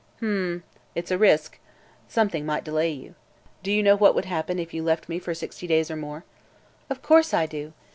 "H m m. It's a risk. Something might delay you. Do you know what would happen if you left me for sixty days or more?" "Of course I do.